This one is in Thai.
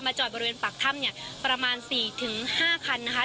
จอดบริเวณปากถ้ำเนี่ยประมาณ๔๕คันนะคะ